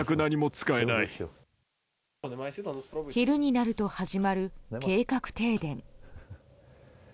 昼になると始まる計画停電。